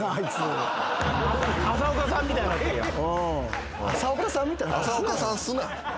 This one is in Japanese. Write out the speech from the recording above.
浅岡さんみたいになってるやん。